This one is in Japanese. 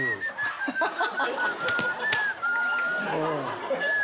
ハハハハハ！